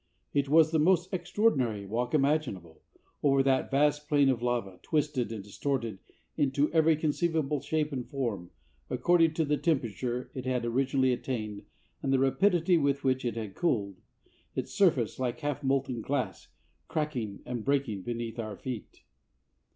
It was the most extraordinary walk imaginable, over that vast plain of lava, twisted and distorted into every conceivable shape and form, according to the temperature it had originally attained and the rapidity with which it had cooled, its surface, like half molten glass, cracking and breaking beneath our feet.